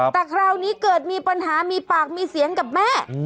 แต่คราวนี้เกิดมีปัญหามีปากมีเสียงกับแม่